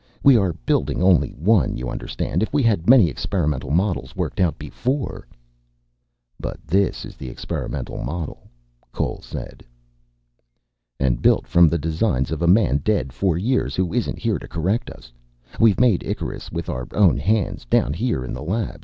We are building only one, you understand. If we had many experimental models worked out before " "But this is the experimental model," Cole said. "And built from the designs of a man dead four years who isn't here to correct us. We've made Icarus with our own hands, down here in the labs.